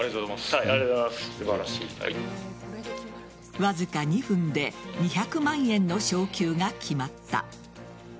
わずか２分で２００万円の昇給が決まった。